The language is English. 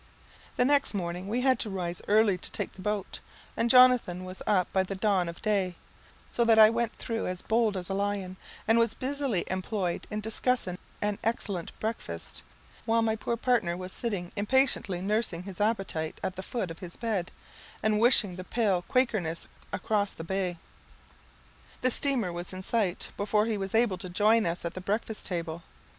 The next morning we had to rise early to take the boat, and Jonathan was up by the dawn of day; so that I went through as bold as a lion, and was busily employed in discussing an excellent breakfast, while my poor partner was sitting impatiently nursing his appetite at the foot of his bed, and wishing the pale Quakeress across the bay. The steamer was in sight before he was able to join us at the breakfast table.